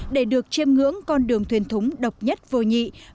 để được chiêm ngưỡng con đường thuyền thúng độc nhất vô nhị với đầy đủ màu sắc